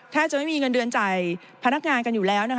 จะไม่มีเงินเดือนจ่ายพนักงานกันอยู่แล้วนะคะ